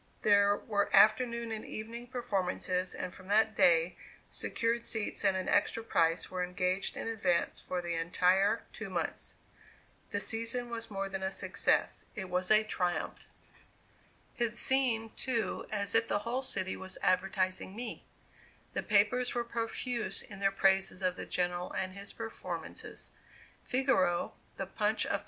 There were afternoon and evening performances and from that day secured seats at an extra price were engaged in advance for the entire two months. The season was more than a success, it was a triumph. It seemed, too, as if the whole city was advertising me. The papers were profuse in their praises of the General and his performances. Figaro, the Punch of [Illustration: ROYAL HONORS TO THE GENERAL.